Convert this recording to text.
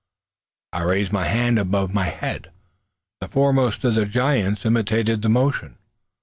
I raised my hand above my head. The foremost of the giants imitated the motion.